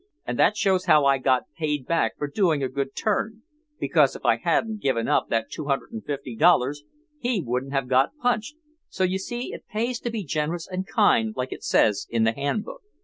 And that shows how I got paid back for doing a good turn, because if I hadn't given up that two hundred and fifty dollars he wouldn't have got punched, so you see it pays to be generous and kind like it says in the handbook."